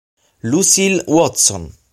Lucile Watson